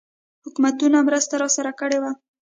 حکومتونو مرسته راسره کړې وه.